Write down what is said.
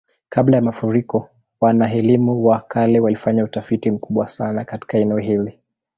Kabla ya mafuriko, wana-elimu wa kale walifanya utafiti mkubwa sana katika eneo hili.